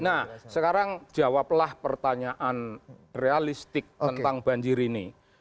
nah sekarang jawablah pertanyaan realistik tentang banjir ini